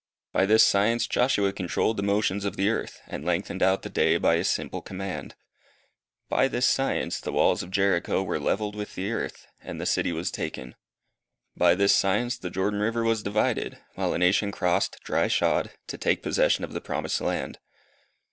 By this science Joshua controlled the motions of the earth, and lengthened out the day by a simple command. By this science the walls of Jericho were levelled with the earth, and the city was taken. By this science the Jordan river was divided, while a nation crossed dry shod, to take possession of the promised land.